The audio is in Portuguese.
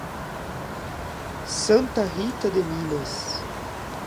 Santa Rita de Minas